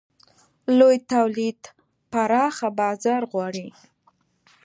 لوی تولید پراخه بازار غواړي.